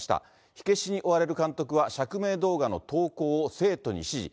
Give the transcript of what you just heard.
火消しに追われる監督は釈明動画の投稿を生徒に指示。